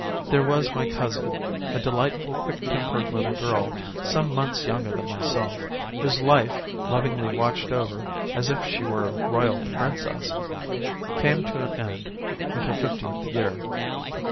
There was my cousin, a delightful quick tempered little girl, some months younger than myself, whose life, lovingly watched over, as if she were a royal princess, came to an end with her fifteenth year.